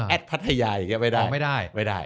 แอดพัทยายอย่างนี้ไม่ได้